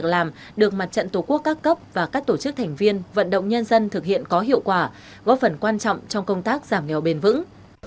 việc làm được mặt trận tổ quốc các cấp và các tổ chức thành viên vận động nhân dân thực hiện có hiệu quả góp phần quan trọng trong công tác giảm nghèo bền vững